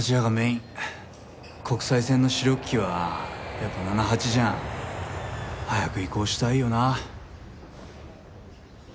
国際線の主力機はやっぱナナハチじゃん。早く移行したいよな。